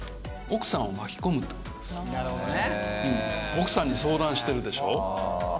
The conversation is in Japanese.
奥さんに相談してるでしょ。